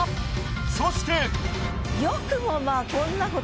そして。